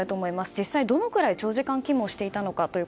実際どのぐらい長時間勤務をしていたのか。